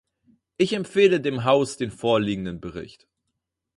Ich empfehle dem Haus den vorliegenden Bericht.